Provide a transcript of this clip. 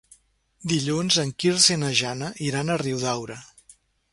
Dilluns en Quirze i na Jana iran a Riudaura.